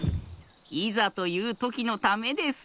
いざというときのためです。